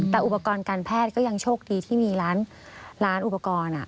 แต่อุปกรณ์การแพทย์ก็ยังโชคดีที่มีร้านอุปกรณ์